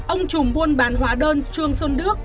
ông chùm buôn bán hóa đơn truong xuân đức